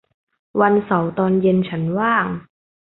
วันเสาร์ตอนเย็นฉันว่าง